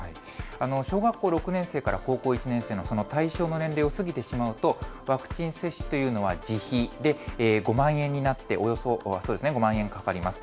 小学校６年生から高校１年生の、その対象の年齢を過ぎてしまうと、ワクチン接種というのは自費で５万円になって、およそ、そうですね、５万円かかります。